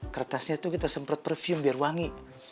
kertasnya tuh kita semprot perfume biar wangi